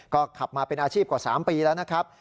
ก็ขับมาเป็นอาชีพกว่า๓ปีแล้วนะครับ